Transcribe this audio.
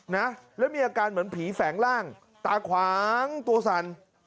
นะแล้วมีอาการเหมือนผีแฝงร่างตาขวางตัวสั่น